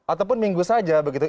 ataupun minggu saja begitu